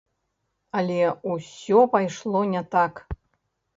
Але усё пайшло не так.